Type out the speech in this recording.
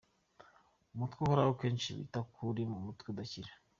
Umutwe uhoraho kenshi bita ko ari umutwe udakira.